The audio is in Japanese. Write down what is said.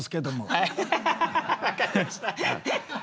分かりました。